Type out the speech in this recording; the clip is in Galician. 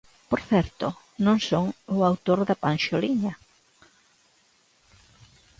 Por certo, non son o autor da panxoliña.